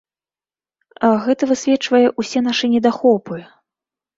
Гэта высвечвае ўсе нашы недахопы.